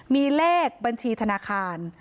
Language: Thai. มีเลขบัญชีธนาคาร